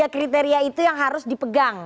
tiga kriteria itu yang harus dipegang